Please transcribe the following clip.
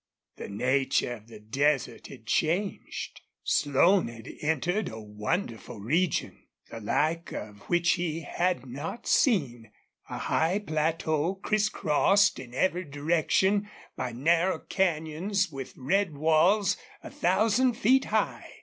The nature of the desert had changed. Slone had entered a wonderful region, the like of which he had not seen a high plateau crisscrossed in every direction by narrow canyons with red walls a thousand feet high.